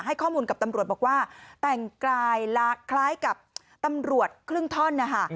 ข้อมูลกับตำรวจบอกว่าแต่งกายคล้ายกับตำรวจครึ่งท่อนนะคะ